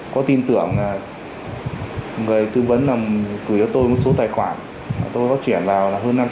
có tin tưởng là người tư vấn gửi cho tôi một số tài khoản tôi có chuyển vào hơn năm trăm linh đồng